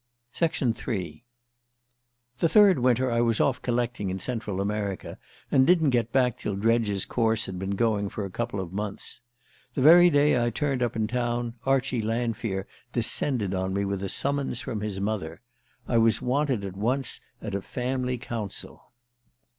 III THE third winter I was off collecting in Central America, and didn't get back till Dredge's course had been going for a couple of months. The very day I turned up in town Archie Lanfear descended on me with a summons from his mother. I was wanted at once at a family council.